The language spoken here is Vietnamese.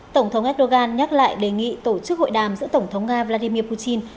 tổng thống erdogan nhắc lại đề nghị tổ chức hội đàm giữa tổng thống nga vladimir putin